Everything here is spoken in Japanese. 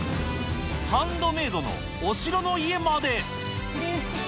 ハンドメードのお城の家まで。